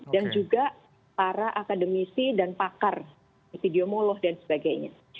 dan juga para akademisi dan pakar epidemiolog dan sebagainya